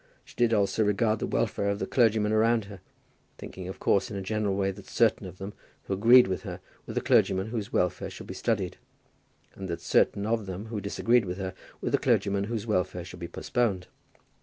She did also regard the welfare of the clergymen around her, thinking of course in a general way that certain of them who agreed with her were the clergymen whose welfare should be studied, and that certain of them who disagreed with her were the clergymen whose welfare should be postponed.